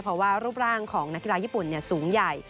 เพราะว่ารูปร่างของนักกีฬาญี่ปุ่นสูงใหญ่